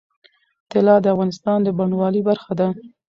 طلا د افغانستان د بڼوالۍ برخه ده.